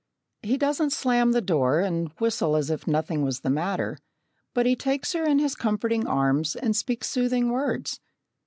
He doesn't slam the door and whistle as if nothing was the matter. But he takes her in his comforting arms and speaks soothing words.